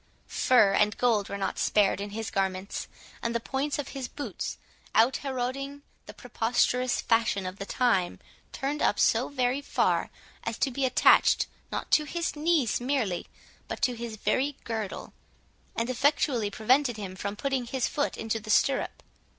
Fur and gold were not spared in his garments; and the points of his boots, out heroding the preposterous fashion of the time, turned up so very far, as to be attached, not to his knees merely, but to his very girdle, and effectually prevented him from putting his foot into the stirrup.